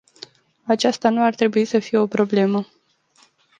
Aceasta nu ar trebui să fie o problemă.